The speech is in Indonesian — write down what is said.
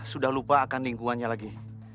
sudah lupa akan lingkungannya lagi